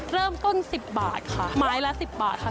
เริ่มต้น๑๐บาทไม้ลด๑๐บาท